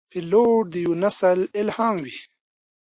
پیلوټ د یوه نسل الهام وي.